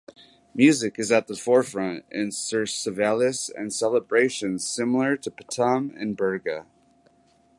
Music is at the forefront in cercaviles and celebrations similar to Patum in Berga.